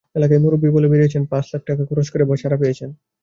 এলাকায় মুরব্বি বলে বেড়িয়েছেন, পাঁচ লাখ টাকা খরচ করে ছাড়া পেয়েছেন।